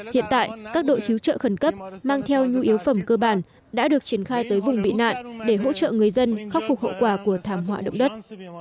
hiện tại các đội cứu trợ khẩn cấp mang theo nhu yếu phẩm cơ bản đã được triển khai tới vùng bị nạn để hỗ trợ người dân khắc phục hậu quả của thảm họa động đất